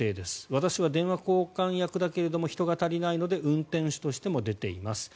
私は電話交換役だけれども人が足りないので運転手としても出ています。